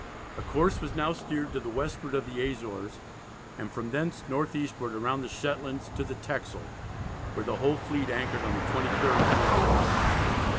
A course was now steered to the westward of the Azores, and from thence north eastward round the Shetlands to the Texel, where the whole fleet anchored on the 23rd of July.